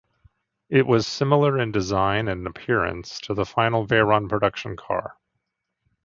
It was similar in design and appearance to the final Veyron production car.